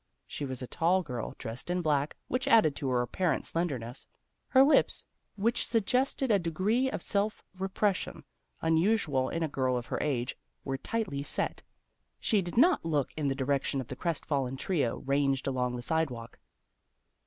She was a tall girl, dressed in black, which added to her ap parent slenderness. Her lips, which suggested a degree of self repression, unusual in a girl of her age, were tightly set. She did not look in the direction of the crestfallen trio ranged along the sidewalk.